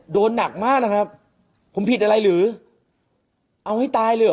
โดนหนักมากนะครับผมผิดอะไรหรือเอาให้ตายเลยเหรอ